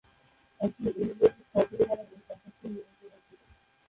একটি ইংরেজ স্থপতি দ্বারা এই প্রাসাদ টি নির্মিত হয়েছিল।